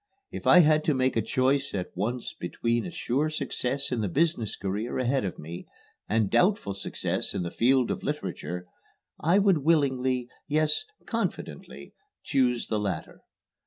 If I had to make a choice at once between a sure success in the business career ahead of me and doubtful success in the field of literature, I would willingly, yes confidently, choose the latter.